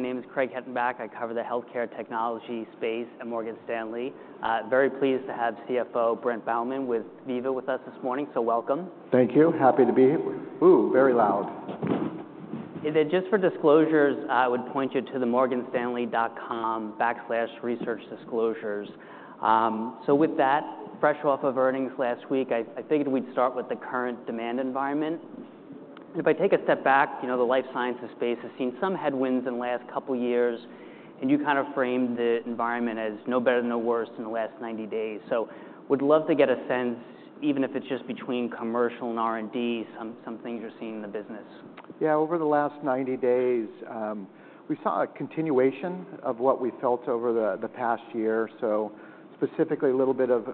My name is Craig Hettenbach. I cover the healthcare technology space at Morgan Stanley. Very pleased to have CFO Brent Bowman with Veeva with us this morning, so welcome. Thank you. Happy to be here. Ooh, very loud. Just for disclosures, I would point you to the morganstanley.com/researchdisclosures. So with that, fresh off of earnings last week, I figured we'd start with the current demand environment. And if I take a step back, the life sciences space has seen some headwinds in the last couple of years, and you kind of framed the environment as no better, no worse in the last 90 days. So would love to get a sense, even if it's just between commercial and R&D, some things you're seeing in the business. Yeah, over the last 90 days, we saw a continuation of what we felt over the past year. So specifically, a little bit of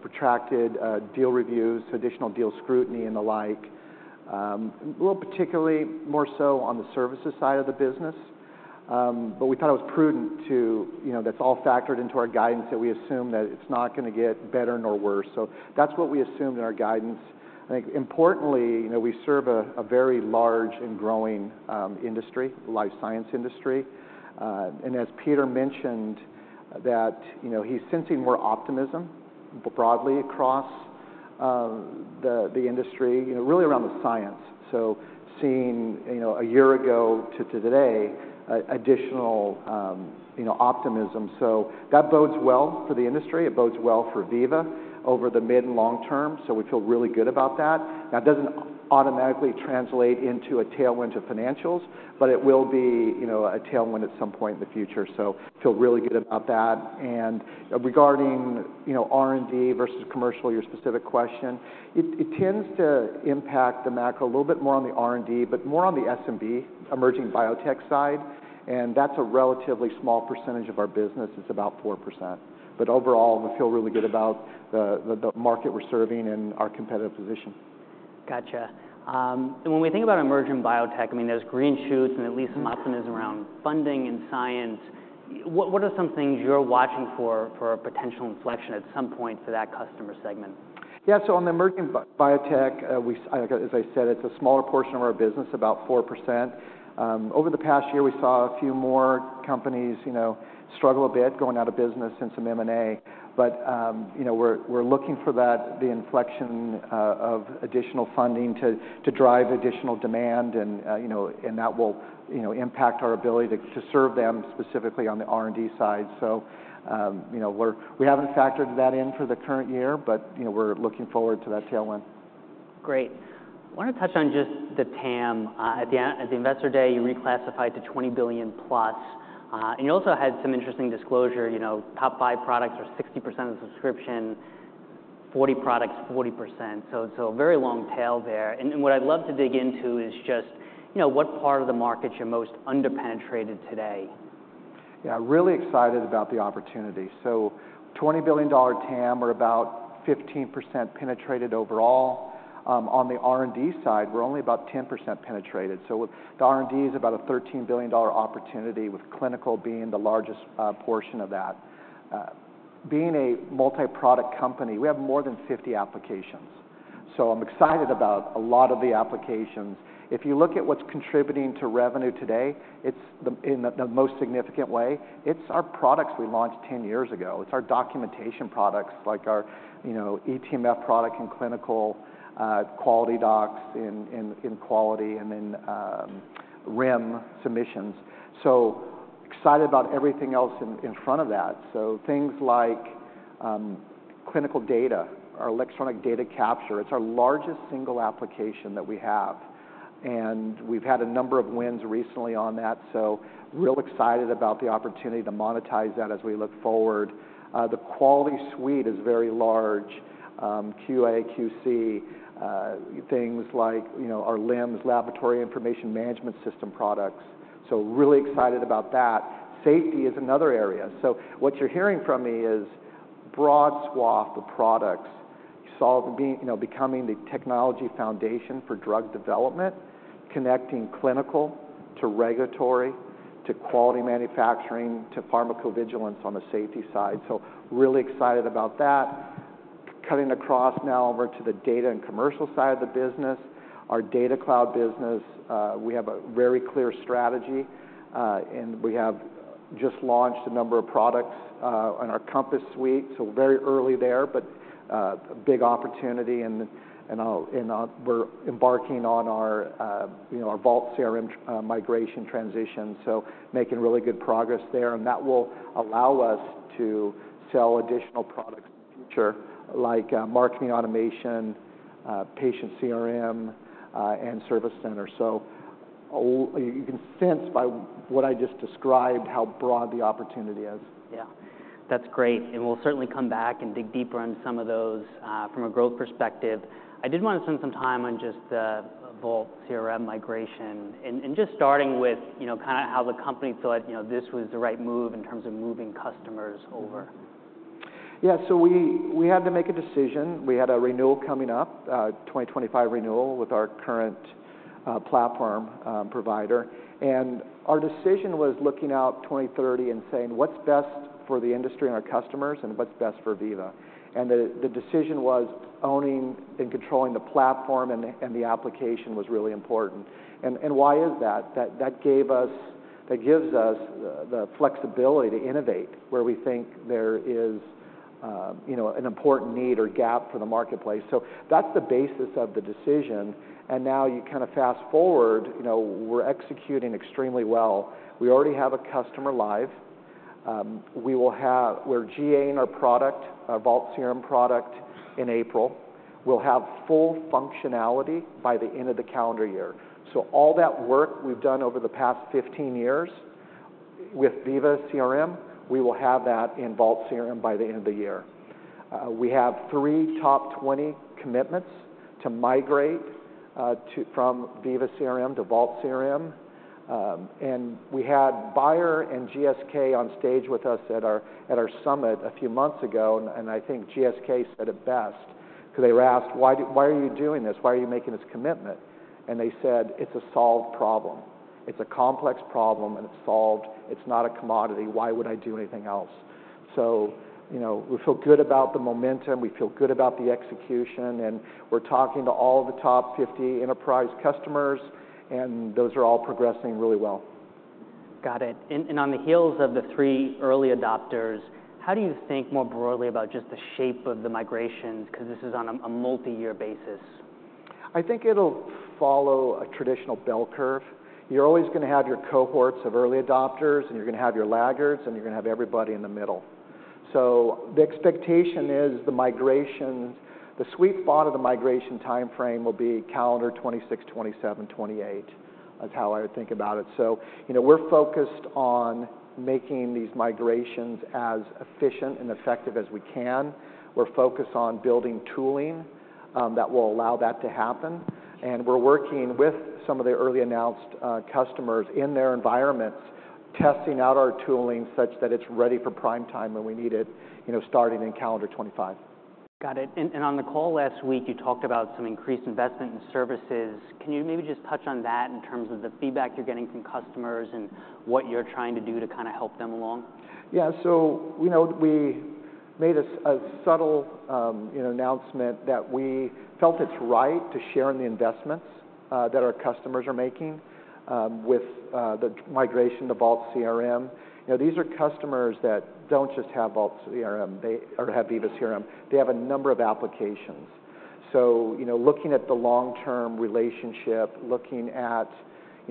protracted deal reviews, additional deal scrutiny, and the like. A little particularly more so on the services side of the business. But we thought it was prudent. That's all factored into our guidance that we assume that it's not going to get better nor worse. So that's what we assumed in our guidance. I think importantly, we serve a very large and growing industry, the life science industry. And as Peter mentioned, that he's sensing more optimism broadly across the industry, really around the science. So seeing a year ago to today, additional optimism. So that bodes well for the industry. It bodes well for Veeva over the mid and long term. So we feel really good about that. Now, it doesn't automatically translate into a tailwind to financials, but it will be a tailwind at some point in the future. So feel really good about that. And regarding R&D versus commercial, your specific question, it tends to impact the macro a little bit more on the R&D, but more on the SMB, emerging biotech side. And that's a relatively small percentage of our business. It's about 4%. But overall, we feel really good about the market we're serving and our competitive position. Gotcha. When we think about emerging biotech, I mean, there's green shoots and at least some optimism around funding and science. What are some things you're watching for potential inflection at some point for that customer segment? Yeah, so on the emerging biotech, as I said, it's a smaller portion of our business, about 4%. Over the past year, we saw a few more companies struggle a bit, going out of business and some M&A. But we're looking for the inflection of additional funding to drive additional demand, and that will impact our ability to serve them specifically on the R&D side. So we haven't factored that in for the current year, but we're looking forward to that tailwind. Great. I want to touch on just the TAM. At the investor day, you reclassified to $20 billion+. And you also had some interesting disclosure. Top five products are 60% of the subscription, 40 products, 40%. So very long tail there. And what I'd love to dig into is just what part of the market you're most underpenetrated today. Yeah, really excited about the opportunity. So $20 billion TAM, we're about 15% penetrated overall. On the R&D side, we're only about 10% penetrated. So the R&D is about a $13 billion opportunity, with clinical being the largest portion of that. Being a multi-product company, we have more than 50 applications. So I'm excited about a lot of the applications. If you look at what's contributing to revenue today, in the most significant way, it's our products we launched 10 years ago. It's our documentation products, like our eTMF product and clinical QualityDocs in quality, and then RIM submissions. So excited about everything else in front of that. So things like clinical data, our electronic data capture, it's our largest single application that we have. And we've had a number of wins recently on that. So real excited about the opportunity to monetize that as we look forward. The quality suite is very large, QA, QC, things like our LIMS, Laboratory Information Management System products. So really excited about that. Safety is another area. So what you're hearing from me is broad swath of products, becoming the technology foundation for drug development, connecting clinical to regulatory to quality manufacturing to pharmacovigilance on the safety side. So really excited about that. Cutting across now over to the data and commercial side of the business, our data cloud business, we have a very clear strategy. And we have just launched a number of products in our Compass suite. So very early there, but big opportunity. And we're embarking on our Vault CRM migration transition, so making really good progress there. And that will allow us to sell additional products in the future, like Marketing Automation, patient CRM, and Service Center. You can sense by what I just described how broad the opportunity is. Yeah, that's great. We'll certainly come back and dig deeper into some of those from a growth perspective. I did want to spend some time on just the Vault CRM migration and just starting with kind of how the company thought this was the right move in terms of moving customers over. Yeah, so we had to make a decision. We had a renewal coming up, 2025 renewal with our current platform provider. And our decision was looking out 2030 and saying what's best for the industry and our customers, and what's best for Veeva. And the decision was owning and controlling the platform and the application was really important. And why is that? That gives us the flexibility to innovate where we think there is an important need or gap for the marketplace. So that's the basis of the decision. And now you kind of fast forward, we're executing extremely well. We already have a customer live. We're GAing our product, our Vault CRM product, in April. We'll have full functionality by the end of the calendar year. So all that work we've done over the past 15 years with Veeva CRM, we will have that in Vault CRM by the end of the year. We have 3 top 20 commitments to migrate from Veeva CRM to Vault CRM. And we had Bayer and GSK on stage with us at our summit a few months ago, and I think GSK said it best because they were asked, "Why are you doing this? Why are you making this commitment?" And they said, "It's a solved problem. It's a complex problem, and it's solved. It's not a commodity. Why would I do anything else?" So we feel good about the momentum. We feel good about the execution. And we're talking to all of the top 50 enterprise customers, and those are all progressing really well. Got it. On the heels of the three early adopters, how do you think more broadly about just the shape of the migrations because this is on a multi-year basis? I think it'll follow a traditional bell curve. You're always going to have your cohorts of early adopters, and you're going to have your laggards, and you're going to have everybody in the middle. So the expectation is the sweet spot of the migration time frame will be calendar 2026, 2027, 2028 is how I would think about it. So we're focused on making these migrations as efficient and effective as we can. We're focused on building tooling that will allow that to happen. And we're working with some of the early announced customers in their environments, testing out our tooling such that it's ready for prime time when we need it, starting in calendar 2025. Got it. On the call last week, you talked about some increased investment in services. Can you maybe just touch on that in terms of the feedback you're getting from customers and what you're trying to do to kind of help them along? Yeah, so we made a subtle announcement that we felt it's right to share in the investments that our customers are making with the migration to Vault CRM. These are customers that don't just have Vault CRM or have Veeva CRM. They have a number of applications. So looking at the long-term relationship, looking at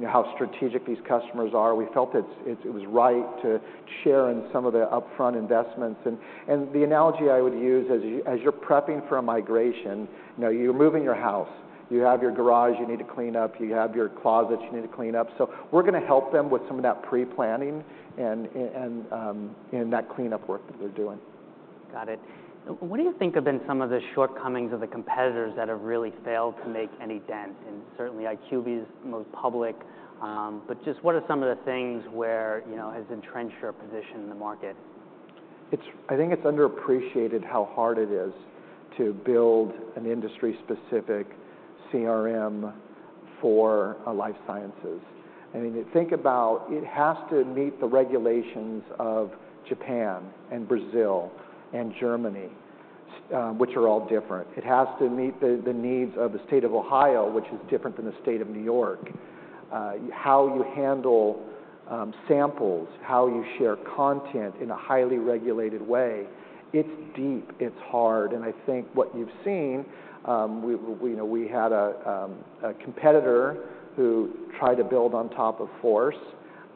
how strategic these customers are, we felt it was right to share in some of the upfront investments. And the analogy I would use is as you're prepping for a migration, you're moving your house. You have your garage you need to clean up. You have your closet you need to clean up. So we're going to help them with some of that pre-planning and that cleanup work that they're doing. Got it. What do you think have been some of the shortcomings of the competitors that have really failed to make any dent? And certainly, IQVIA is most public. But just what are some of the things where it has entrenched your position in the market? I think it's underappreciated how hard it is to build an industry-specific CRM for life sciences. I mean, think about it has to meet the regulations of Japan and Brazil and Germany, which are all different. It has to meet the needs of the state of Ohio, which is different than the state of New York. How you handle samples, how you share content in a highly regulated way, it's deep. It's hard. And I think what you've seen, we had a competitor who tried to build on top of Force,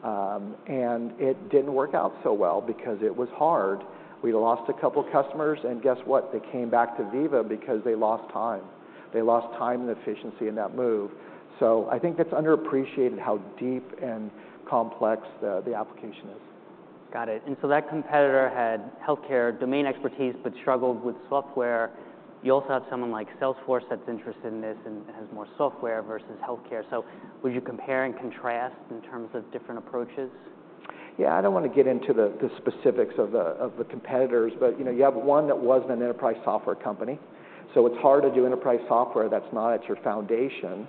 and it didn't work out so well because it was hard. We lost a couple of customers. And guess what? They came back to Veeva because they lost time. They lost time and efficiency in that move. So I think that's underappreciated how deep and complex the application is. Got it. That competitor had healthcare domain expertise but struggled with software. You also have someone like Salesforce that's interested in this and has more software versus healthcare. Would you compare and contrast in terms of different approaches? Yeah, I don't want to get into the specifics of the competitors, but you have one that was an enterprise software company. So it's hard to do enterprise software that's not at your foundation.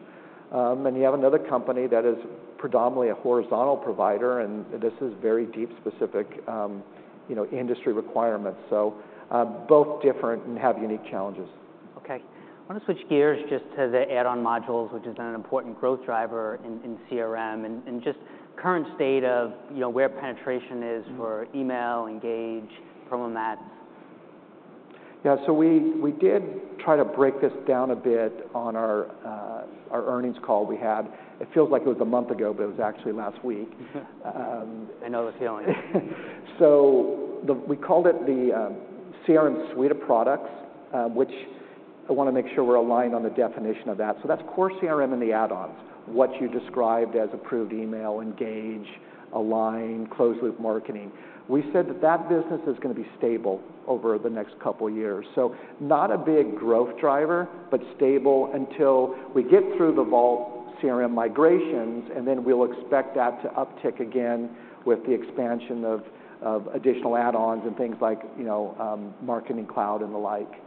And you have another company that is predominantly a horizontal provider, and this is very deep specific industry requirements. So both different and have unique challenges. Okay. I want to switch gears just to the add-on modules, which has been an important growth driver in CRM, and just current state of where penetration is for email, Engage, PromoMats. Yeah, so we did try to break this down a bit on our earnings call we had. It feels like it was a month ago, but it was actually last week. I know the feeling. So we called it the CRM suite of products, which I want to make sure we're aligned on the definition of that. So that's Core CRM and the add-ons, what you described as approved email, Engage, Align, closed-loop marketing. We said that that business is going to be stable over the next couple of years. So not a big growth driver, but stable until we get through the Vault CRM migrations, and then we'll expect that to uptick again with the expansion of additional add-ons and things like marketing cloud and the like.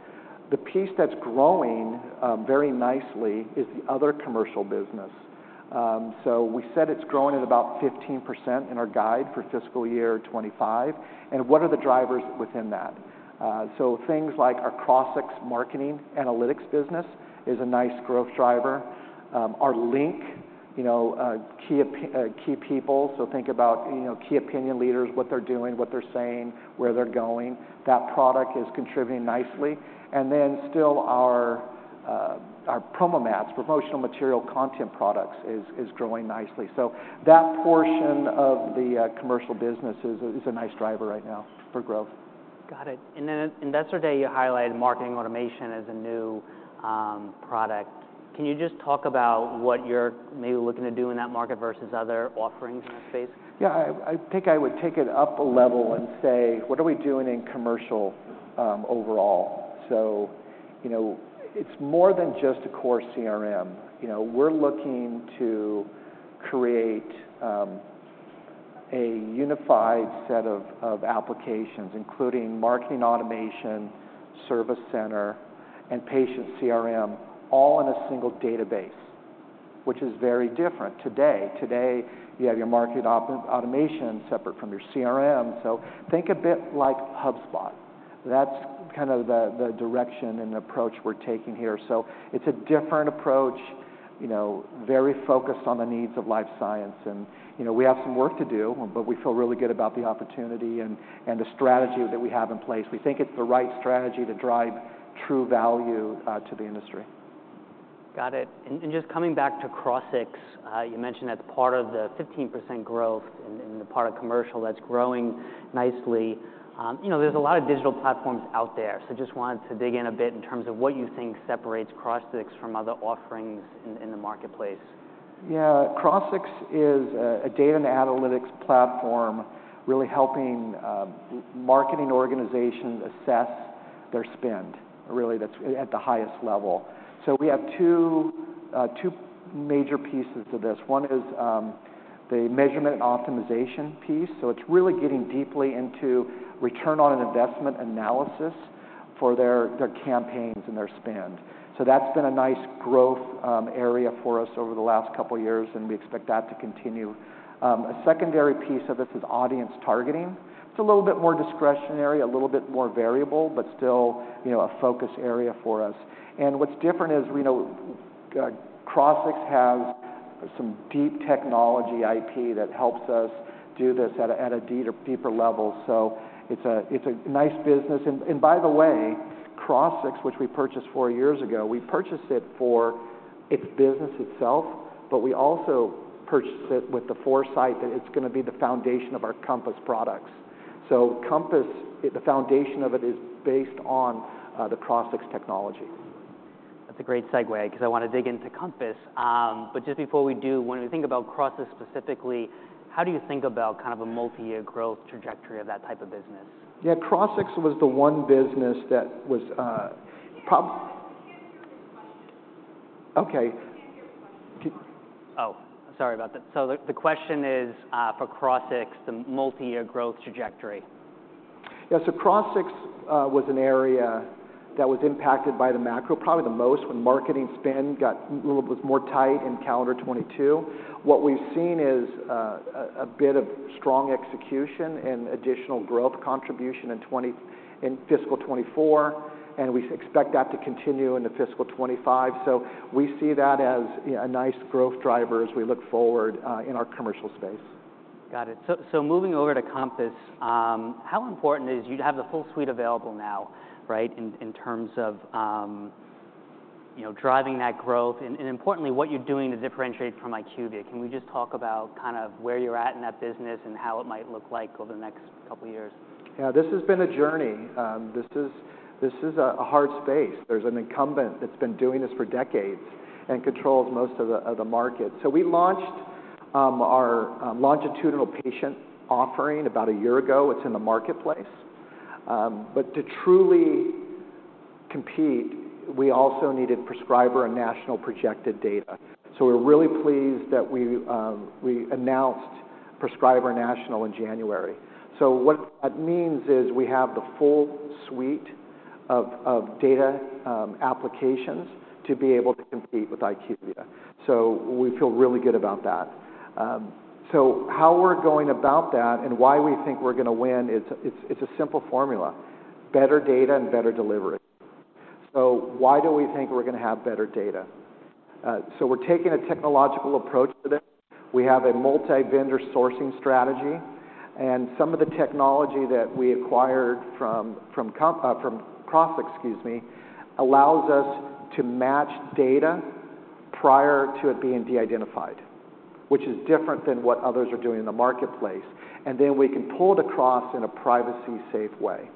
The piece that's growing very nicely is the other commercial business. So we said it's growing at about 15% in our guide for fiscal year 2025. And what are the drivers within that? So things like our Crossix marketing analytics business is a nice growth driver. Our Link Key People, so think about key opinion leaders, what they're doing, what they're saying, where they're going. That product is contributing nicely. And then still our PromoMats, promotional material content products, is growing nicely. So that portion of the commercial business is a nice driver right now for growth. Got it. Then Investor Day, you highlighted Marketing Automation as a new product. Can you just talk about what you're maybe looking to do in that market versus other offerings in that space? Yeah, I think I would take it up a level and say, what are we doing in commercial overall? So it's more than just a Core CRM. We're looking to create a unified set of applications, including Marketing Automation, Service Center, and patient CRM, all in a single database, which is very different today. Today, you have your Marketing Automation separate from your CRM. So think a bit like HubSpot. That's kind of the direction and approach we're taking here. So it's a different approach, very focused on the needs of life science. And we have some work to do, but we feel really good about the opportunity and the strategy that we have in place. We think it's the right strategy to drive true value to the industry. Got it. Just coming back to Crossix, you mentioned that's part of the 15% growth in the part of commercial that's growing nicely. There's a lot of digital platforms out there. Just wanted to dig in a bit in terms of what you think separates Crossix from other offerings in the marketplace. Yeah, Crossix is a data and analytics platform really helping marketing organizations assess their spend, really, that's at the highest level. So we have two major pieces to this. One is the measurement and optimization piece. So it's really getting deeply into return on investment analysis for their campaigns and their spend. So that's been a nice growth area for us over the last couple of years, and we expect that to continue. A secondary piece of this is audience targeting. It's a little bit more discretionary, a little bit more variable, but still a focus area for us. And what's different is Crossix has some deep technology IP that helps us do this at a deeper level. So it's a nice business. And by the way, Crossix, which we purchased four years ago, we purchased it for its business itself, but we also purchased it with the foresight that it's going to be the foundation of our Compass products. So Compass, the foundation of it is based on the Crossix technology. That's a great segue because I want to dig into Compass. But just before we do, when we think about Crossix specifically, how do you think about kind of a multi-year growth trajectory of that type of business? Yeah, Crossix was the one business that was. Oh, sorry about that. So the question is for Crossix, the multi-year growth trajectory. Yeah, so Crossix was an area that was impacted by the macro probably the most when marketing spend was more tight in calendar 2022. What we've seen is a bit of strong execution and additional growth contribution in fiscal 2024, and we expect that to continue in the fiscal 2025. So we see that as a nice growth driver as we look forward in our commercial space. Got it. So moving over to Compass, how important is you have the full suite available now, right, in terms of driving that growth? And importantly, what you're doing to differentiate from IQVIA, can we just talk about kind of where you're at in that business and how it might look like over the next couple of years? Yeah, this has been a journey. This is a hard space. There's an incumbent that's been doing this for decades and controls most of the market. So we launched our longitudinal patient offering about a year ago. It's in the marketplace. But to truly compete, we also needed Prescriber and National projected data. So we're really pleased that we announced Prescriber National in January. So what that means is we have the full suite of data applications to be able to compete with IQVIA. So we feel really good about that. So how we're going about that and why we think we're going to win is it's a simple formula: better data and better delivery. So why do we think we're going to have better data? So we're taking a technological approach to this. We have a multi-vendor sourcing strategy. Some of the technology that we acquired from Crossix, excuse me, allows us to match data prior to it being de-identified, which is different than what others are doing in the marketplace. Then we can pull it across in a privacy-safe way.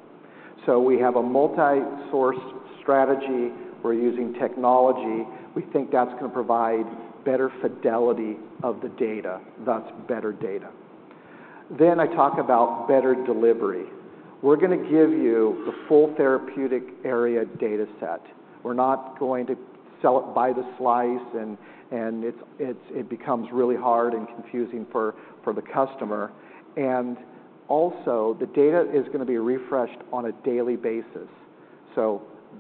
We have a multi-source strategy. We're using technology. We think that's going to provide better fidelity of the data. That's better data. I talk about better delivery. We're going to give you the full therapeutic area data set. We're not going to sell it by the slice, and it becomes really hard and confusing for the customer. Also, the data is going to be refreshed on a daily basis.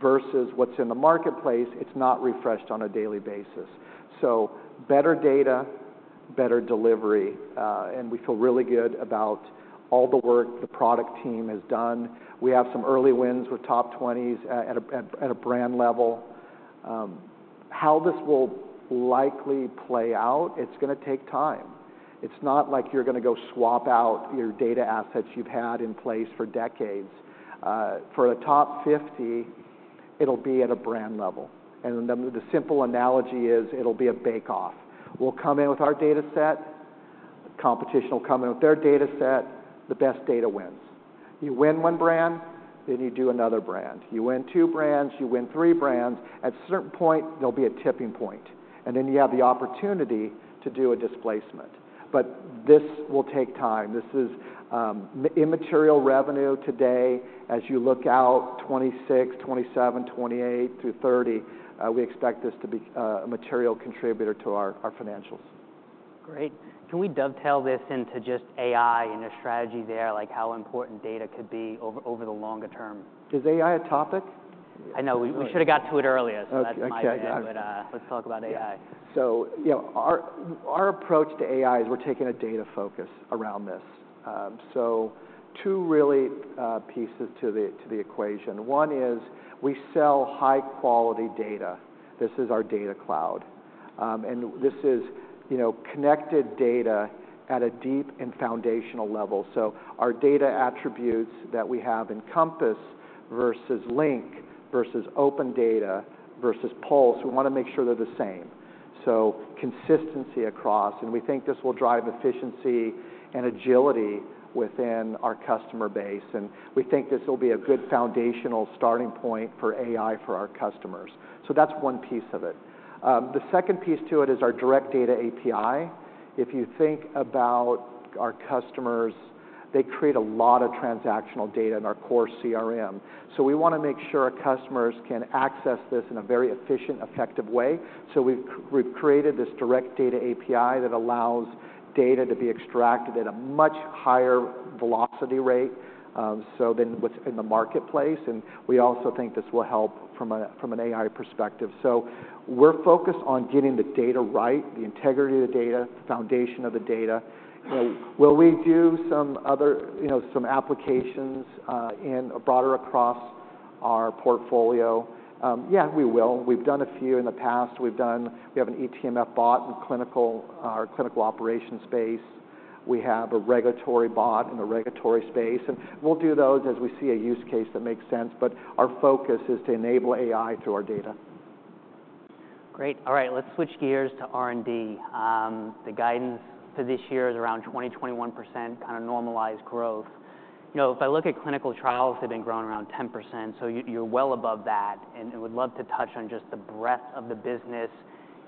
Versus what's in the marketplace, it's not refreshed on a daily basis. Better data, better delivery. We feel really good about all the work the product team has done. We have some early wins with top 20s at a brand level. How this will likely play out, it's going to take time. It's not like you're going to go swap out your data assets you've had in place for decades. For the top 50, it'll be at a brand level. And the simple analogy is it'll be a bake-off. We'll come in with our data set. Competition will come in with their data set. The best data wins. You win one brand, then you do another brand. You win two brands. You win three brands. At a certain point, there'll be a tipping point. And then you have the opportunity to do a displacement. But this will take time. This is immaterial revenue today. As you look out 2026, 2027, 2028 through 2030, we expect this to be a material contributor to our financials. Great. Can we dovetail this into just AI and your strategy there, like how important data could be over the longer term? Is AI a topic? I know. We should have got to it earlier. So that's my idea. But let's talk about AI. So our approach to AI is we're taking a data focus around this. So two really pieces to the equation. One is we sell high-quality data. This is our data cloud. And this is connected data at a deep and foundational level. So our data attributes that we have in Compass versus Link versus OpenData versus Pulse, we want to make sure they're the same. So consistency across. And we think this will drive efficiency and agility within our customer base. And we think this will be a good foundational starting point for AI for our customers. So that's one piece of it. The second piece to it is our direct data API. If you think about our customers, they create a lot of transactional data in our Core CRM. So we want to make sure our customers can access this in a very efficient, effective way. So we've created this direct data API that allows data to be extracted at a much higher velocity rate than what's in the marketplace. And we also think this will help from an AI perspective. So we're focused on getting the data right, the integrity of the data, the foundation of the data. Will we do some applications broader across our portfolio? Yeah, we will. We've done a few in the past. We have an eTMF bot in our clinical operations space. We have a regulatory bot in the regulatory space. And we'll do those as we see a use case that makes sense. But our focus is to enable AI through our data. Great. All right. Let's switch gears to R&D. The guidance for this year is around 20%-21%, kind of normalized growth. If I look at clinical trials, they've been growing around 10%. So you're well above that. And we'd love to touch on just the breadth of the business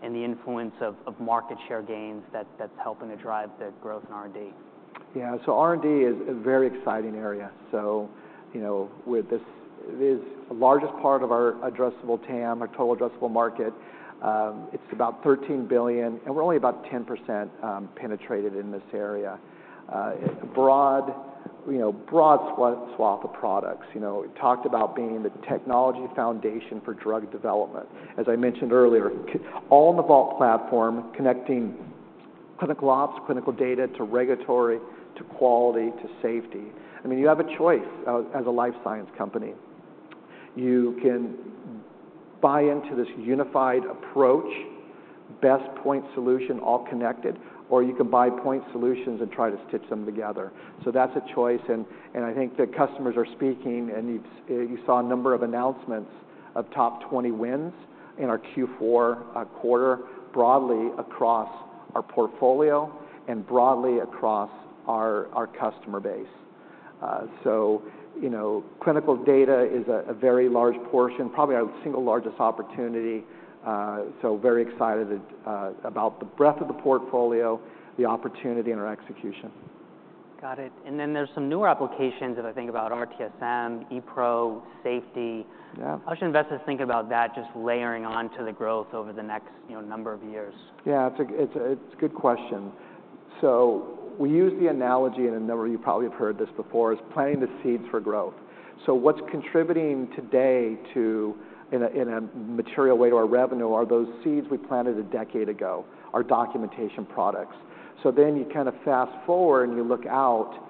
and the influence of market share gains that's helping to drive the growth in R&D. Yeah, so R&D is a very exciting area. So this is the largest part of our addressable TAM, our total addressable market. It's about $13 billion. And we're only about 10% penetrated in this area. A broad swath of products. We talked about being the technology foundation for drug development, as I mentioned earlier, all in the Vault platform connecting clinical ops, clinical data to regulatory, to quality, to safety. I mean, you have a choice as a life science company. You can buy into this unified approach, best point solution, all connected, or you can buy point solutions and try to stitch them together. So that's a choice. And I think that customers are speaking, and you saw a number of announcements of top 20 wins in our Q4 quarter broadly across our portfolio and broadly across our customer base. Clinical data is a very large portion, probably our single largest opportunity. Very excited about the breadth of the portfolio, the opportunity, and our execution. Got it. And then there's some newer applications if I think about RTSM, ePRO, safety. How should investors think about that just layering onto the growth over the next number of years? Yeah, it's a good question. So we use the analogy, and a number of you probably have heard this before, is planting the seeds for growth. So what's contributing today in a material way to our revenue are those seeds we planted a decade ago, our documentation products. So then you kind of fast forward and you look out.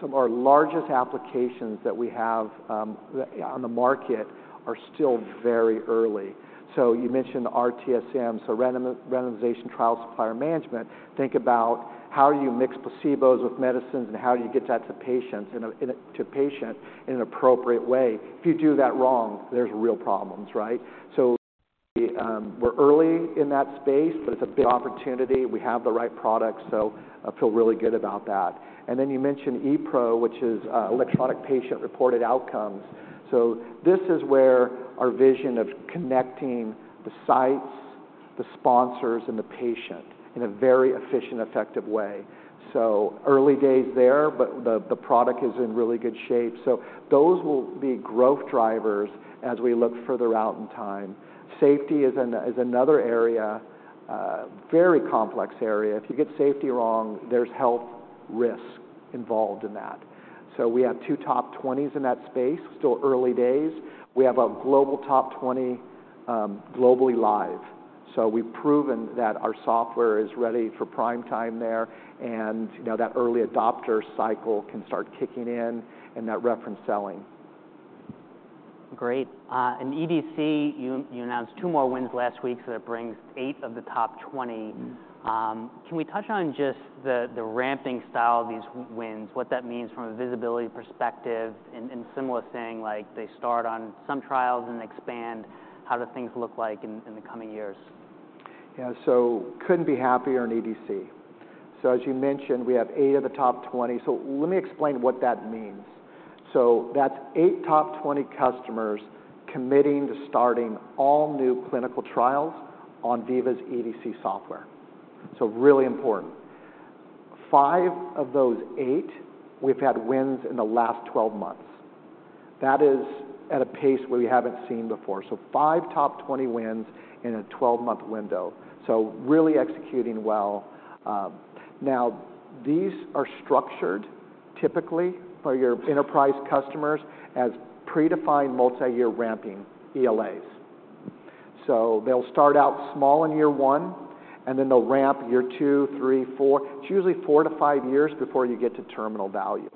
Some of our largest applications that we have on the market are still very early. So you mentioned RTSM, so randomization and trial supply management. Think about how do you mix placebos with medicines, and how do you get that to patients in an appropriate way? If you do that wrong, there's real problems, right? So we're early in that space, but it's a big opportunity. We have the right products, so I feel really good about that. And then you mentioned ePRO, which is electronic patient reported outcomes. So this is where our vision of connecting the sites, the sponsors, and the patient in a very efficient, effective way. So early days there, but the product is in really good shape. So those will be growth drivers as we look further out in time. Safety is another area, very complex area. If you get safety wrong, there's health risk involved in that. So we have two top 20s in that space. Still early days. We have a global top 20 globally live. So we've proven that our software is ready for prime time there, and that early adopter cycle can start kicking in and that reference selling. Great. And EDC, you announced two more wins last week so that brings eight of the top 20. Can we touch on just the ramping style of these wins, what that means from a visibility perspective, and similar thing like they start on some trials and expand? How do things look like in the coming years? Yeah, so couldn't be happier in EDC. So as you mentioned, we have 8 of the top 20. So let me explain what that means. So that's 8 top 20 customers committing to starting all new clinical trials on Veeva's EDC software. So really important. 5 of those 8, we've had wins in the last 12 months. That is at a pace where we haven't seen before. So 5 top 20 wins in a 12-month window. So really executing well. Now, these are structured typically for your enterprise customers as predefined multi-year ramping ELAs. So they'll start out small in year 1, and then they'll ramp year 2, 3, 4. It's usually 4 to 5 years before you get to terminal value.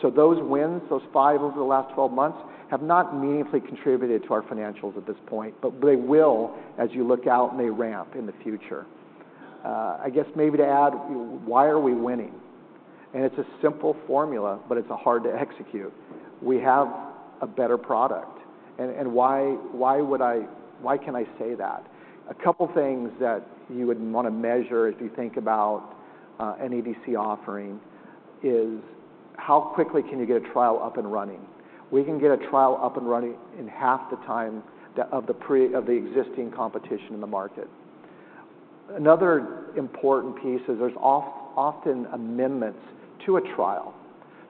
So those wins, those 5 over the last 12 months, have not meaningfully contributed to our financials at this point, but they will as you look out and they ramp in the future. I guess maybe to add, why are we winning? It's a simple formula, but it's hard to execute. We have a better product. Why can I say that? A couple of things that you would want to measure if you think about an EDC offering is how quickly can you get a trial up and running? We can get a trial up and running in half the time of the existing competition in the market. Another important piece is there's often amendments to a trial.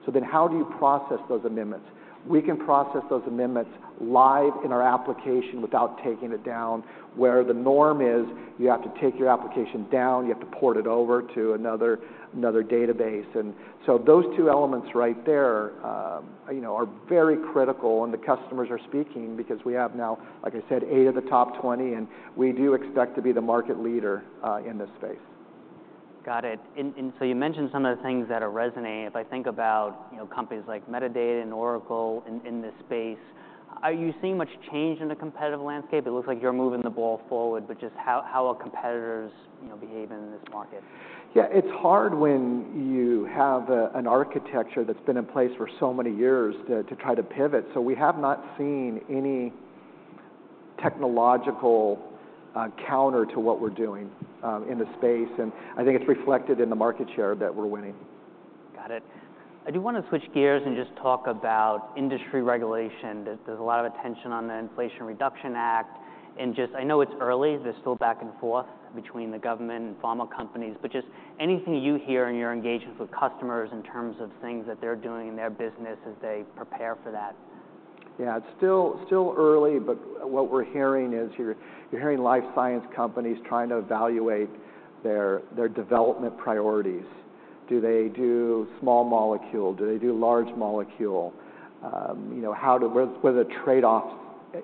So then how do you process those amendments? We can process those amendments live in our application without taking it down, where the norm is you have to take your application down. You have to port it over to another database. And so those two elements right there are very critical, and the customers are speaking because we have now, like I said, 8 of the top 20, and we do expect to be the market leader in this space. Got it. And so you mentioned some of the things that are resonating. If I think about companies like Medidata and Oracle in this space, are you seeing much change in the competitive landscape? It looks like you're moving the ball forward, but just how are competitors behaving in this market? Yeah, it's hard when you have an architecture that's been in place for so many years to try to pivot. So we have not seen any technological counter to what we're doing in the space. And I think it's reflected in the market share that we're winning. Got it. I do want to switch gears and just talk about industry regulation. There's a lot of attention on the Inflation Reduction Act. And just I know it's early. There's still back and forth between the government and pharma companies. But just anything you hear in your engagements with customers in terms of things that they're doing in their business as they prepare for that? Yeah, it's still early, but what we're hearing is you're hearing life sciences companies trying to evaluate their development priorities. Do they do small molecule? Do they do large molecule? What are the trade-offs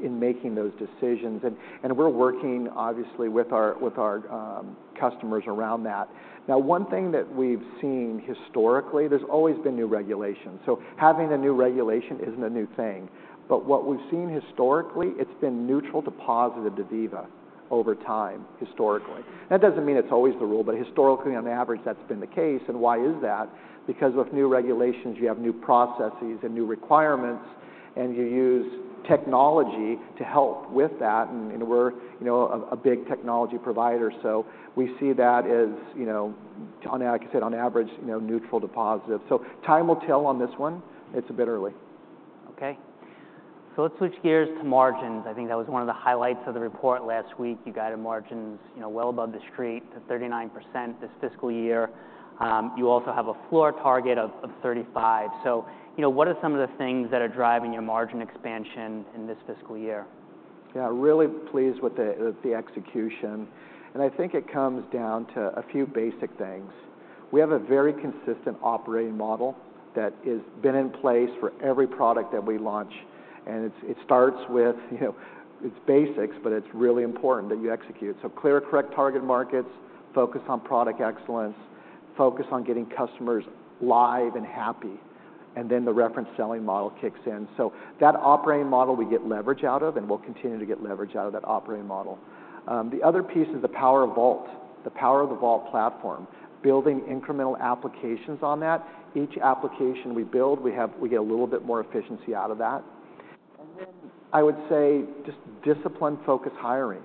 in making those decisions? And we're working, obviously, with our customers around that. Now, one thing that we've seen historically, there's always been new regulations. So having a new regulation isn't a new thing. But what we've seen historically, it's been neutral to positive to Veeva over time, historically. That doesn't mean it's always the rule, but historically, on average, that's been the case. And why is that? Because with new regulations, you have new processes and new requirements, and you use technology to help with that. And we're a big technology provider. So we see that as, like I said, on average, neutral to positive. So time will tell on this one. It's a bit early. Okay. So let's switch gears to margins. I think that was one of the highlights of the report last week. You got a margins well above the street to 39% this fiscal year. You also have a floor target of 35%. So what are some of the things that are driving your margin expansion in this fiscal year? Yeah, really pleased with the execution. I think it comes down to a few basic things. We have a very consistent operating model that has been in place for every product that we launch. It starts with its basics, but it's really important that you execute. So clear and correct target markets, focus on product excellence, focus on getting customers live and happy, and then the reference selling model kicks in. So that operating model, we get leverage out of, and we'll continue to get leverage out of that operating model. The other piece is the power of Vault, the power of the Vault platform, building incremental applications on that. Each application we build, we get a little bit more efficiency out of that. Then I would say just discipline-focused hiring.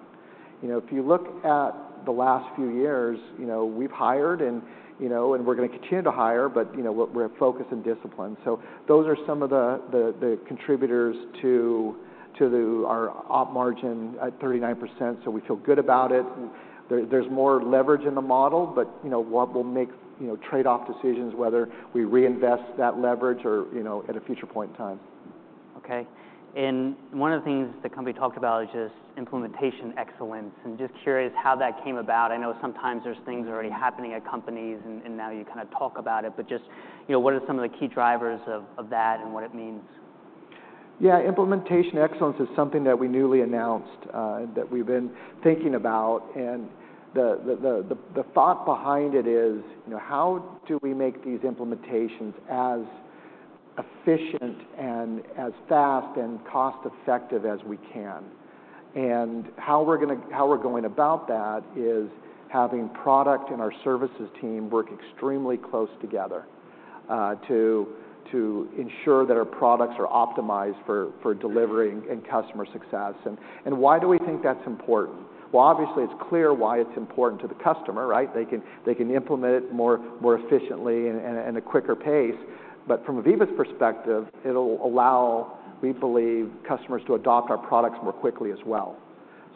If you look at the last few years, we've hired, and we're going to continue to hire, but we're focused on discipline. So those are some of the contributors to our op margin at 39%. So we feel good about it. There's more leverage in the model, but what will make trade-off decisions, whether we reinvest that leverage or at a future point in time. Okay. One of the things the company talked about is just implementation excellence. Just curious how that came about. I know sometimes there's things already happening at companies, and now you kind of talk about it. Just what are some of the key drivers of that and what it means? Yeah, implementation excellence is something that we newly announced that we've been thinking about. The thought behind it is how do we make these implementations as efficient and as fast and cost-effective as we can? How we're going about that is having product and our services team work extremely close together to ensure that our products are optimized for delivering and customer success. Why do we think that's important? Well, obviously, it's clear why it's important to the customer, right? They can implement it more efficiently and at a quicker pace. But from Veeva's perspective, it'll allow, we believe, customers to adopt our products more quickly as well.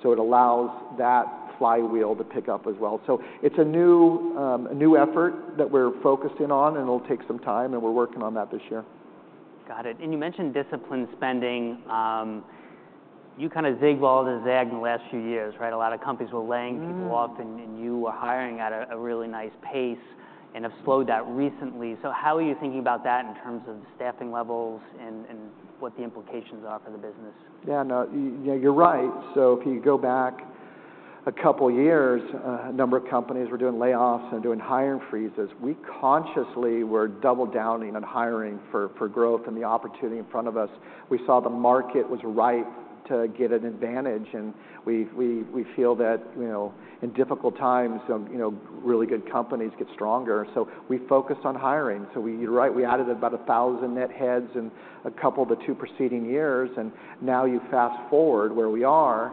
So it allows that flywheel to pick up as well. It's a new effort that we're focused in on, and it'll take some time, and we're working on that this year. Got it. You mentioned disciplined spending. You kind of zigzagged in the last few years, right? A lot of companies were laying people off, and you were hiring at a really nice pace and have slowed that recently. How are you thinking about that in terms of the staffing levels and what the implications are for the business? Yeah, no, you're right. So if you go back a couple of years, a number of companies were doing layoffs and doing hiring freezes. We consciously were double-downing on hiring for growth and the opportunity in front of us. We saw the market was right to get an advantage. And we feel that in difficult times, really good companies get stronger. So we focused on hiring. So you're right. We added about 1,000 net heads in a couple to 2 preceding years. And now you fast forward where we are,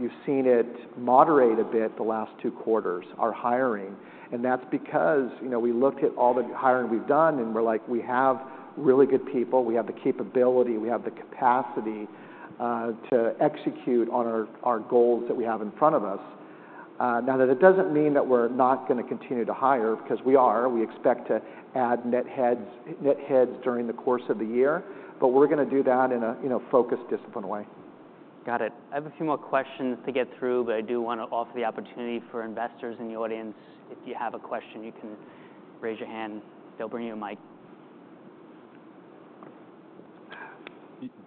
you've seen it moderate a bit the last 2 quarters, our hiring. And that's because we looked at all the hiring we've done, and we're like, we have really good people. We have the capability. We have the capacity to execute on our goals that we have in front of us. Now, that doesn't mean that we're not going to continue to hire because we are. We expect to add net heads during the course of the year, but we're going to do that in a focused, disciplined way. Got it. I have a few more questions to get through, but I do want to offer the opportunity for investors in the audience. If you have a question, you can raise your hand. They'll bring you a mic.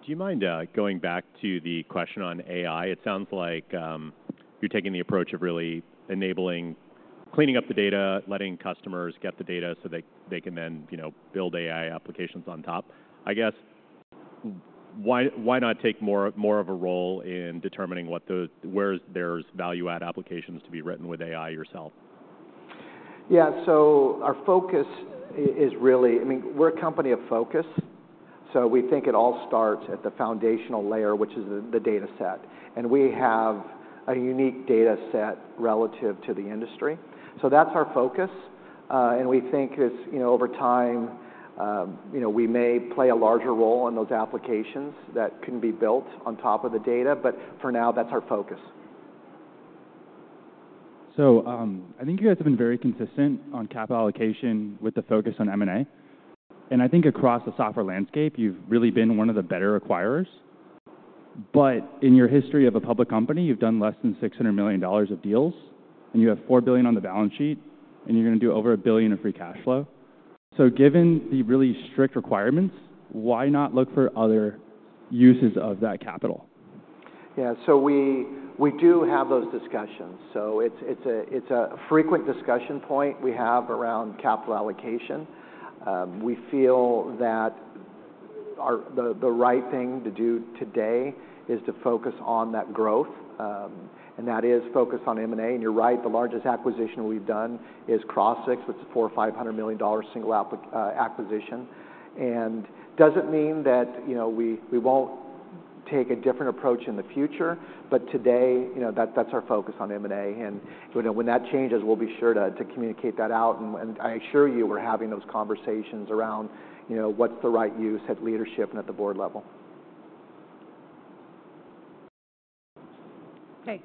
Do you mind going back to the question on AI? It sounds like you're taking the approach of really enabling, cleaning up the data, letting customers get the data so they can then build AI applications on top. I guess, why not take more of a role in determining where there's value-add applications to be written with AI yourself? Yeah, so our focus is really, I mean, we're a company of focus. So we think it all starts at the foundational layer, which is the dataset. And we have a unique dataset relative to the industry. So that's our focus. And we think over time, we may play a larger role in those applications that can be built on top of the data. But for now, that's our focus. I think you guys have been very consistent on capital allocation with the focus on M&A. I think across the software landscape, you've really been one of the better acquirers. In your history as a public company, you've done less than $600 million of deals, and you have $4 billion on the balance sheet, and you're going to do over $1 billion in free cash flow. Given the really strict requirements, why not look for other uses of that capital? Yeah, so we do have those discussions. So it's a frequent discussion point we have around capital allocation. We feel that the right thing to do today is to focus on that growth. And that is focus on M&A. And you're right. The largest acquisition we've done is Crossix, with a $400 million-$500 million single acquisition. And doesn't mean that we won't take a different approach in the future, but today, that's our focus on M&A. And when that changes, we'll be sure to communicate that out. And I assure you we're having those conversations around what's the right use at leadership and at the board level. Okay.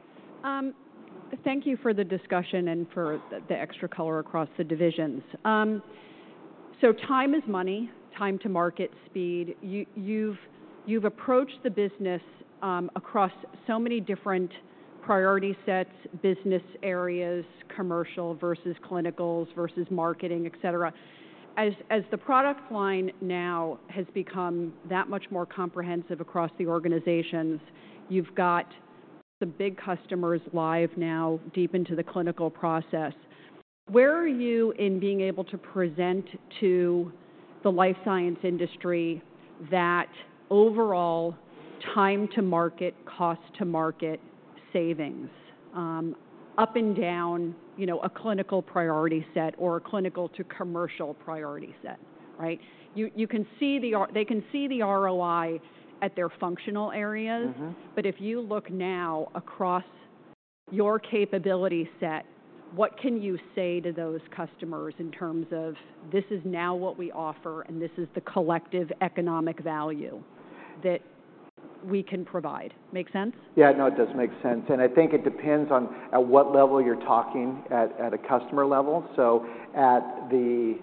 Thank you for the discussion and for the extra color across the divisions. Time is money, time to market speed. You've approached the business across so many different priority sets, business areas, commercial versus clinicals versus marketing, etc. As the product line now has become that much more comprehensive across the organizations, you've got some big customers live now deep into the clinical process. Where are you in being able to present to the life sciences industry that overall time to market, cost to market savings, up and down a clinical priority set or a clinical to commercial priority set, right? They can see the ROI at their functional areas, but if you look now across your capability set, what can you say to those customers in terms of, "This is now what we offer, and this is the collective economic value that we can provide"? Make sense? Yeah, no, it does make sense. I think it depends on at what level you're talking at a customer level. At the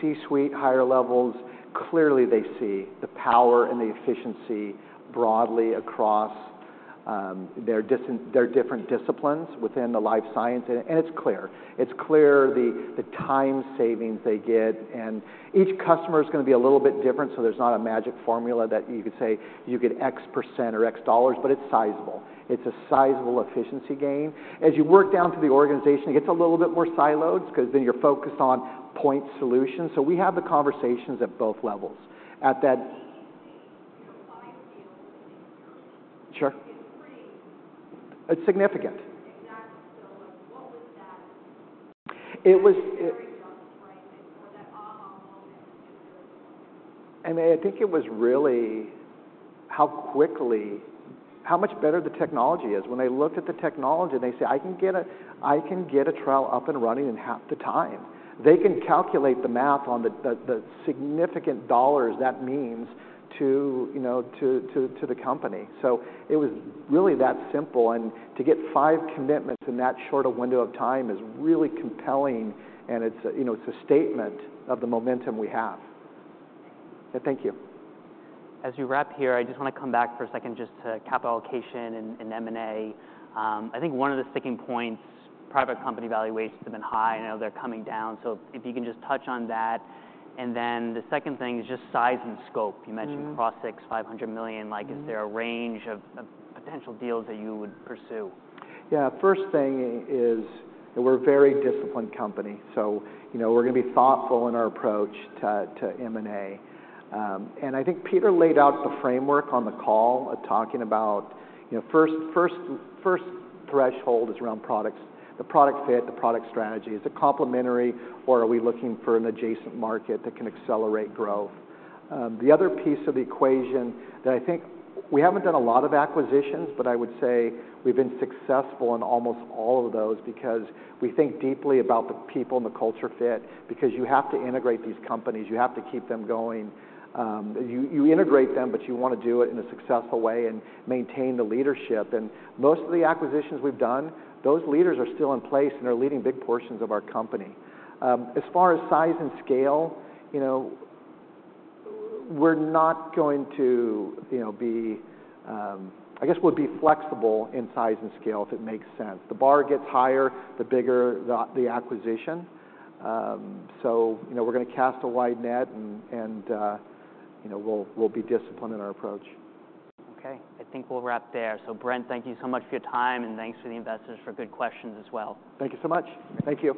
C-suite higher levels, clearly they see the power and the efficiency broadly across their different disciplines within the life science. It's clear. It's clear the time savings they get. Each customer is going to be a little bit different, so there's not a magic formula that you could say you get X% or $X, but it's sizable. It's a sizable efficiency gain. As you work down through the organization, it gets a little bit more siloed because then you're focused on point solutions. We have the conversations at both levels. At that. You know, five deals in a year. Sure. It's pretty. It's significant. Exactly. So what was that? It was. Very striking or that aha moment in your experience? I mean, I think it was really how quickly, how much better the technology is. When they looked at the technology and they say, "I can get a trial up and running in half the time," they can calculate the math on the significant dollars that means to the company. So it was really that simple. And to get five commitments in that short a window of time is really compelling, and it's a statement of the momentum we have. Yeah, thank you. As we wrap here, I just want to come back for a second just to capital allocation and M&A. I think one of the sticking points, private company valuations have been high. I know they're coming down. So if you can just touch on that. And then the second thing is just size and scope. You mentioned Crossix, $500 million. Is there a range of potential deals that you would pursue? Yeah, first thing is we're a very disciplined company. So we're going to be thoughtful in our approach to M&A. And I think Peter laid out the framework on the call talking about first threshold is around products, the product fit, the product strategy. Is it complementary, or are we looking for an adjacent market that can accelerate growth? The other piece of the equation that I think we haven't done a lot of acquisitions, but I would say we've been successful in almost all of those because we think deeply about the people and the culture fit because you have to integrate these companies. You have to keep them going. You integrate them, but you want to do it in a successful way and maintain the leadership. And most of the acquisitions we've done, those leaders are still in place and are leading big portions of our company. As far as size and scale, we're not going to be, I guess we'll be flexible in size and scale if it makes sense. The bar gets higher, the bigger the acquisition. So we're going to cast a wide net, and we'll be disciplined in our approach. Okay. I think we'll wrap there. So Brent, thank you so much for your time, and thanks to the investors for good questions as well. Thank you so much. Thank you.